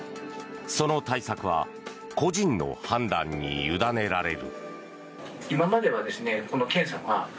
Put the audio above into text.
その対策は個人の判断に委ねられる。